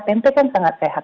tempe kan sangat sehat